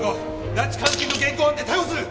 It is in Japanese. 拉致監禁の現行犯で逮捕する！